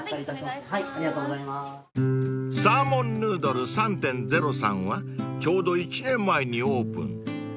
［サーモンｎｏｏｄｌｅ３．０さんはちょうど１年前にオープン］